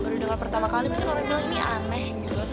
kalau denger pertama kali mungkin orang bilang ini aneh